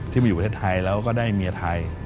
มาอยู่ประเทศไทยแล้วก็ได้เมียไทย